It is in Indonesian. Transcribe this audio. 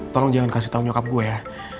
tolong jangan kasih tau nyukap gue ya